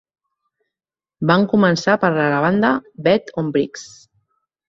Van començar per a la banda Bed on Bricks.